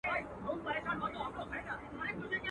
اوس به څوك د پاني پت په توره وياړي.